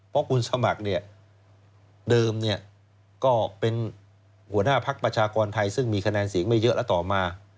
เพราะคุณสมัครเนี่ยเดิมก็เป็นหัวหน้าพักประชากรไทยซึ่งมีคะแนนเสียงไม่เยอะแล้วต่อมา